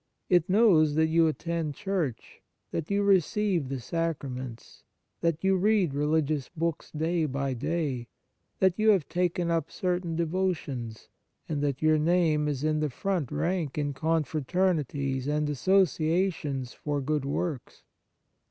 It knows that you attend church, that you receive the sacraments, that you read religious books day by day, that you have taken up certain devotions, and that your name is in the front rank in confraternities and associations for good works.